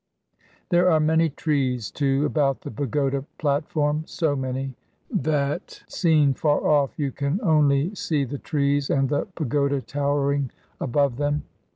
There are many trees, too, about the pagoda platform so many, that seen far off you can only see the trees and the pagoda towering above them.